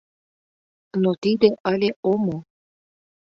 Но тиде ыле омо.